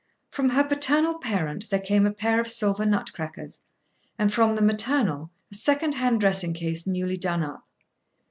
From her paternal parent there came a pair of silver nut crackers, and from the maternal a second hand dressing case newly done up.